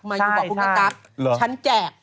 มายูบอกคุณกั๊กฉันแจก